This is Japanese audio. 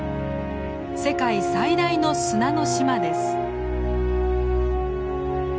世界最大の砂の島です。